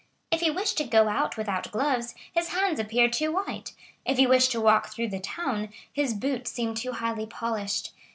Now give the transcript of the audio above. If he wished to go out without gloves, his hands appeared too white; if he wished to walk through the town, his boots seemed too highly polished.